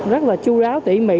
rất là chú ráo tỉ mỉ